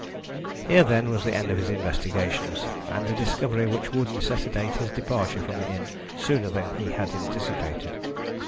Here, then, was the end of his investigations, and a discovery which would necessitate his departure from the inn sooner than he had anticipated.